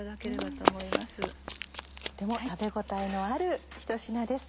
とても食べ応えのあるひと品です。